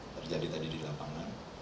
terjadi tadi di lapangan